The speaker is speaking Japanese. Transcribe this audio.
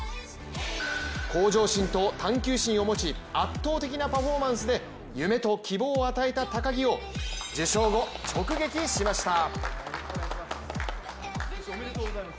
向上心と探究心を持ち圧倒的なパフォーマンスで夢と希望を与えた高木を受賞後、直撃しました。